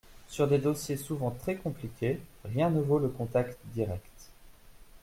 Sur des dossiers souvent très compliqués, rien ne vaut le contact direct.